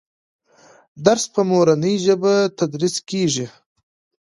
درس په مورنۍ ژبه تدریس کېږي.